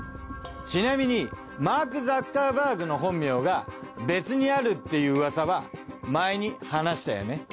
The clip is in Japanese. ちなみにマーク・ザッカーバーグの本名が別にあるっていううわさは前に話したよね？